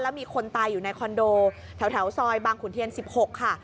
มีคนตายอยู่ในคอนโดแถวซอยบางขุนเทียน๑๖ค่ะ